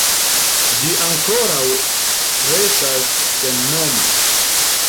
Ĝi ankoraŭ restas sennoma.